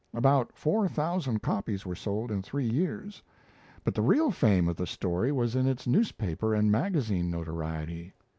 About four thousand copies were sold in three years; but the real fame of the story was in its newspaper and magazine notoriety.